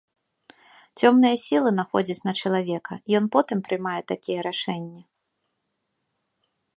Цёмныя сілы находзяць на чалавека, ён потым прымае такія рашэнні.